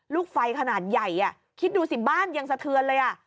ลูกไฟขนาดใหญ่คิดดูสิบ้านยังสะเทือนเลยอ่ะ